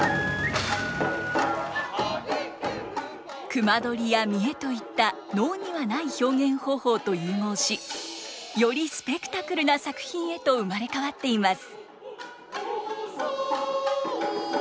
隈取りや見得といった能にはない表現方法と融合しよりスペクタクルな作品へと生まれ変わっています。